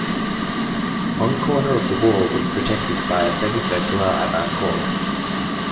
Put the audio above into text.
One corner of the wall was protected by a semi-circular avant-corps.